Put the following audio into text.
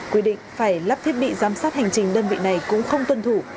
quy định phải lắp thiết bị giám sát hành trình đơn vị này cũng không tuân thủ